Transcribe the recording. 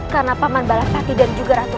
karena paman balapati dan juga ratu raka